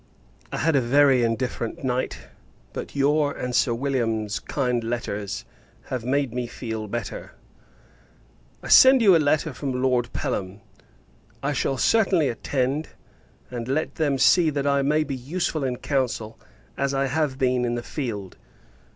I had a very indifferent night, but your and Sir William's kind letters have made me feel better. I send you a letter from Lord Pelham. I shall certainly attend; and let them see, that I may be useful in council as I have been in the field.